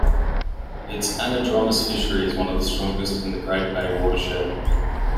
Its anadromous fishery is one of the strongest in the Great Bay watershed.